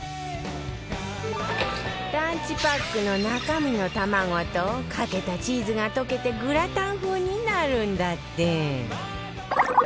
ランチパックの中身の卵とかけたチーズが溶けてグラタン風になるんだって